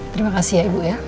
terima kasih ya ibu ya